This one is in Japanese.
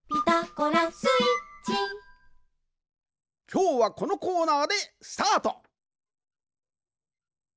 きょうはこのコーナーでスタート！